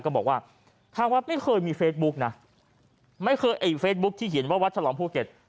ก็บอกว่าทางวัดไม่เคยมีเฟซบุ๊กนะไม่เคยไอ้เฟซบุ๊คที่เขียนว่าวัดฉลองภูเก็ต